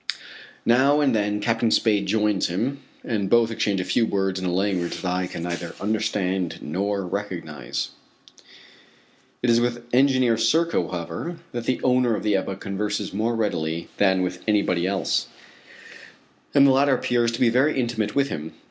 Now and then Captain Spade joins him and both exchange a few words in a language that I can neither understand nor recognize. It is with Engineer Serko, however, that the owner of the Ebba converses more readily than with anybody else, and the latter appears to be very intimate with him.